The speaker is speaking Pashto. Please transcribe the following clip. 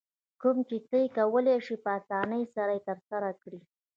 کوم چې ته یې کولای شې په اسانۍ سره یې ترسره کړې.